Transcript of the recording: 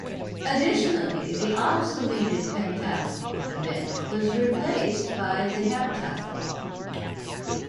Additionally, the obsoleted pentathlon event was replaced by the heptathlon.